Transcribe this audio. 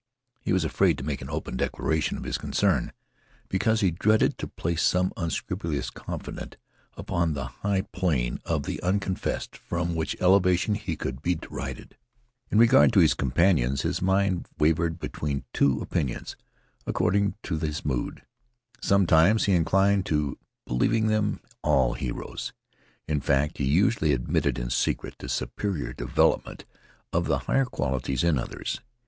He was afraid to make an open declaration of his concern, because he dreaded to place some unscrupulous confidant upon the high plane of the unconfessed from which elevation he could be derided. In regard to his companions his mind wavered between two opinions, according to his mood. Sometimes he inclined to believing them all heroes. In fact, he usually admitted in secret the superior development of the higher qualities in others.